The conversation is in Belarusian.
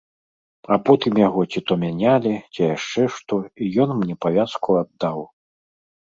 А потым яго ці то мянялі, ці яшчэ што, і ён мне павязку аддаў.